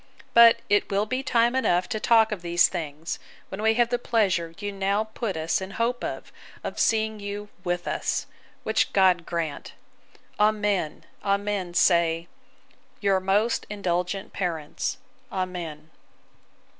But it will be time enough to talk of these things, when we have the pleasure you now put us in hope of, of seeing you with us; which God grant. Amen, amen, say 'Your most indulgent parents. Amen!